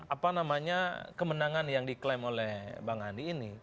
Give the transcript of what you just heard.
apa namanya kemenangan yang diklaim oleh bang andi ini